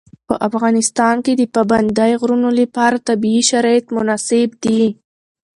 په افغانستان کې د پابندی غرونه لپاره طبیعي شرایط مناسب دي.